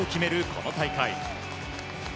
この大会。